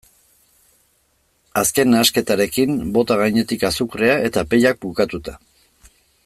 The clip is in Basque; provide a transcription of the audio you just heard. Azken nahasketarekin, bota gainetik azukrea eta pellak bukatuta.